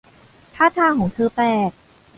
ท่าทางของเธอแปลก